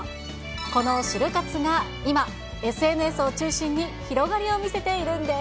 このシル活が、今、ＳＮＳを中心に広がりを見せているんです。